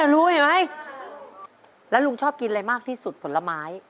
แล้วลุงชอบกินอะไรมากที่สุดผลไม้